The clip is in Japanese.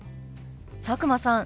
佐久間さん